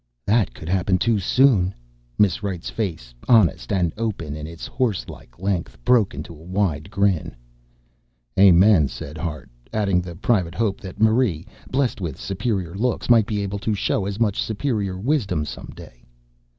"That could happen too soon!" Miss Wright's face, honest and open in its horse like length, broke into a wide grin. "Amen," said Hart, adding the private hope that Marie, blessed with superior looks, might be able to show as much superior wisdom some day.